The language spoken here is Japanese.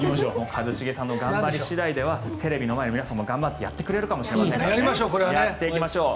一茂さんの頑張り次第ではテレビの前の皆さんも頑張ってやってくれるかもしれませんからやっていきましょう。